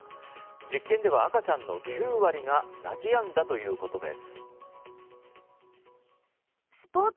実験では赤ちゃんの９割が泣き止んだということです。